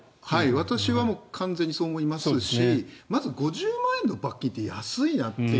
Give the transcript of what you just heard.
私は完全にそう思いますしまず５０万円の罰金って安いなっていう。